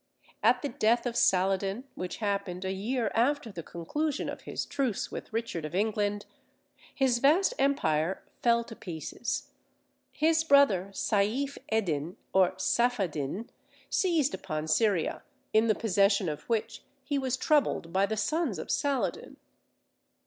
At the death of Saladin, which happened a year after the conclusion of his truce with Richard of England, his vast empire fell to pieces. His brother Saif Eddin, or Saphaddin, seized upon Syria, in the possession of which he was troubled by the sons of Saladin.